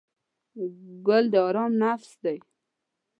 ګل د آرام نفس دی.